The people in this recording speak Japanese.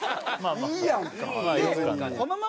いいやんか別に。